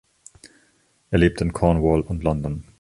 Er lebte in Cornwall und London.